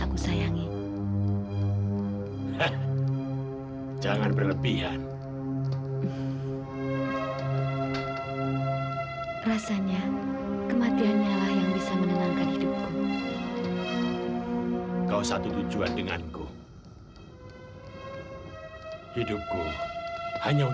kau telah merusak hidupku